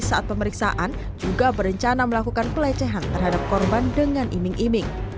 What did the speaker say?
saat pemeriksaan juga berencana melakukan pelecehan terhadap korban dengan iming iming